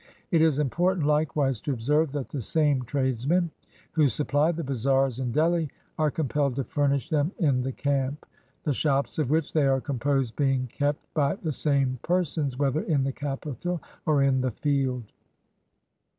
It is important likewise to observe that the same tradesmen who supply the bazaars in Delhi are compelled to furnish them in the camp; the shops of which they are composed being kept by the same persons whether in the capital or in the field.